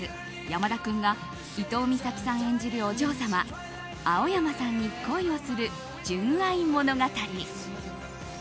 山田君が伊東美咲さん演じるお嬢様青山さんに恋をする純愛物語。